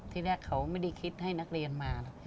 ที่แรกเขาไม่ได้คิดให้นักเรียนมานะ